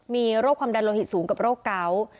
มีโรคความดันโลหิตสูงกับโรคเกาะ